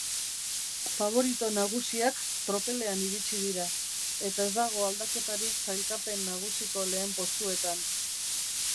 Faborito nagusiak tropelean iritsi dira eta ez dago aldaketarik sailkapen nagusiko lehen postuetan.